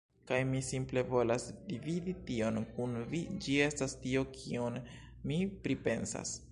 Kaj mi simple volas dividi tion kun vi ĝi estas tio kiun mi pripensas